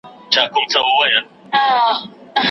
هر یو توری د غزل مي له مغان سره همزولی